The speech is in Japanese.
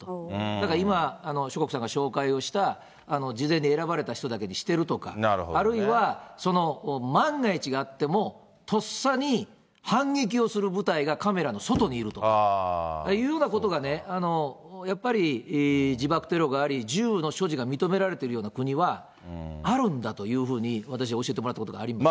だから今、諸國さんが紹介をした、事前に選ばれた人だけにしてるとか、あるいは、その万が一があっても、とっさに反撃をする部隊がカメラの外にいるというようなことがやっぱり、自爆テロがあり、銃の所持が認められているような国はね、あるんだというふうに、私、教えてもらったことがあります。